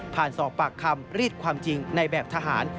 สอบปากคำรีดความจริงในแบบทหาร